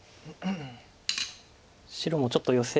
白もちょっとヨセ。